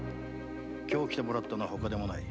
今日来てもらったのは外でもない。